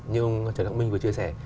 như ông trần khắc minh vừa chia sẻ